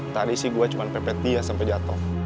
tadi sih gua cuma pepet dia sampe jatoh